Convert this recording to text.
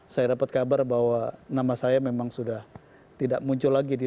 saya dapat kabar bahwa nama saya memang sudah tidak muncul lagi di